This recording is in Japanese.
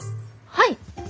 はい！